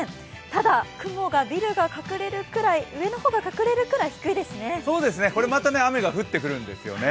ただ、雲がビルの上の方が隠れるくらい低いですね。